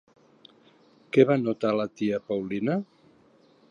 Què va notar la tia Paulina?